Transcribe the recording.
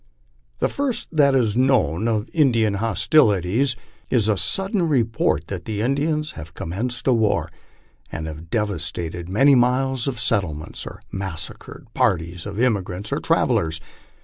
The first that is known of In dian hostilities is a sudden report that the Indians have commenced a war, and have devastated many miles of settlements or massacred parties of emigrants or travellers.